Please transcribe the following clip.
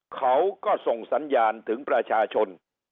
เขาก็ส่งสัญญาณถึงประชาชน